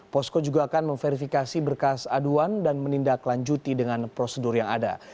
posko juga akan memverifikasi berkas aduan dan menindaklanjuti dengan prosedur yang ada